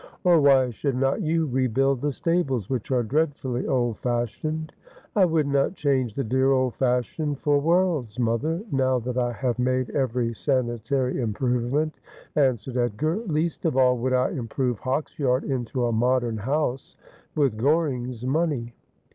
' Or why should not you rebuild the stables, which are dreadfully old fashioned ?'' I would not change the dear old fashion for worlds, mother, now that I have made every sanitary improvement,' answered Edgar ;' least of all would I improve Hawksyard into a modern house with Goring's money.'